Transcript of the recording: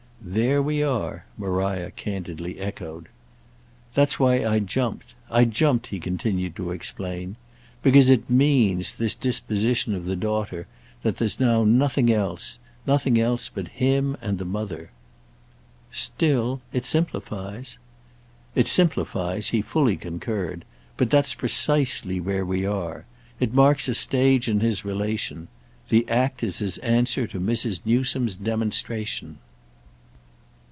"There we are!" Maria candidly echoed. "That's why I jumped. I jumped," he continued to explain, "because it means, this disposition of the daughter, that there's now nothing else: nothing else but him and the mother." "Still—it simplifies." "It simplifies"—he fully concurred. "But that's precisely where we are. It marks a stage in his relation. The act is his answer to Mrs. Newsome's demonstration."